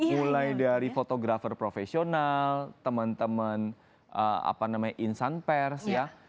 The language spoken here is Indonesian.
mulai dari fotografer profesional teman teman insan pers ya